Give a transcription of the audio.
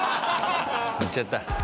言っちゃった。